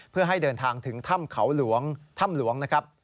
เพื่อให้เดินทางถึงท่ำเขาหลวง